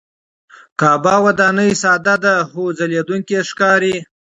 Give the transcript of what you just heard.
کعبه وداني ساده ده خو ځلېدونکې ښکاري.